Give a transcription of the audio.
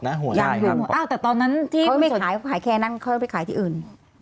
ยังอยู่ยังไม่หมดนะหัวให้หมดยังอยู่อ้าวแต่ตอนนั้นที่คุณสนขายแค่นั่งเขาก็ไปขายที่อื่น